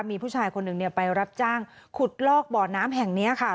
มีผู้ชายคนหนึ่งไปรับจ้างขุดลอกบ่อน้ำแห่งนี้ค่ะ